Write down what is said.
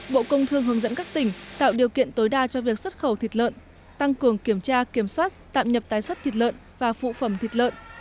bộ công thương hướng dẫn các tỉnh tạo điều kiện tối đa cho việc xuất khẩu thịt lợn tăng cường kiểm tra kiểm soát tạm nhập tái xuất thịt lợn và phụ phẩm thịt lợn